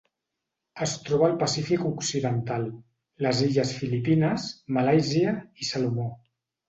Es troba al Pacífic occidental: les illes Filipines, Malàisia i Salomó.